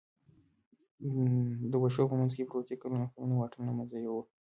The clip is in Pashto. د وښو په منځ کې پروتې کلونه کلونه واټن له منځه یووړ.